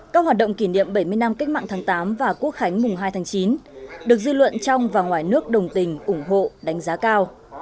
các hoạt động kỷ niệm bảy mươi năm cách mạng tháng tám và quốc khánh mùng hai tháng chín được dư luận trong và ngoài nước đồng tình ủng hộ đánh giá cao